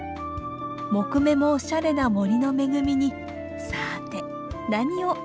木目もおしゃれな森の恵みにさて何を入れましょうか？